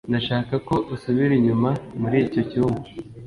Ndashaka ko usubira inyuma muri icyo cyumba